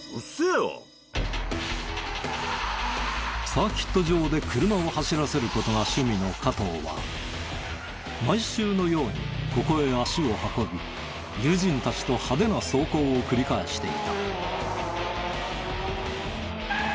サーキット場で車を走らせる事が趣味の加藤は毎週のようにここへ足を運び友人たちと派手な走行を繰り返していた。